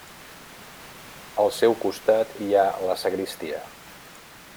Al seu costat hi ha la sagristia.